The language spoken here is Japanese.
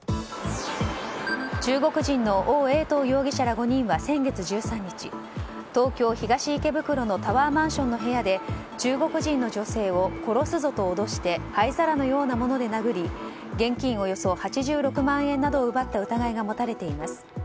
中国人のオウ・エイトウ容疑者ら５人は先月１３日東京・東池袋のタワーマンションの部屋で中国人の女性を殺すぞと脅して灰皿のようなもので殴り現金およそ８６万円などを奪った疑いが持たれています。